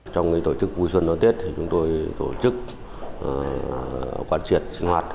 trong ngày tổ chức vui xuân đón tết chúng tôi tổ chức quan triệt sinh hoạt